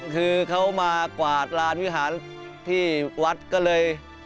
คือเขามากวาดลานวิหารที่วัดก็เลย